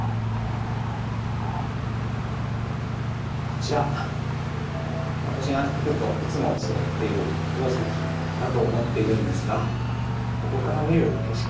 こちら私が来るといつも座っている特等席だと思っているんですがここから見る景色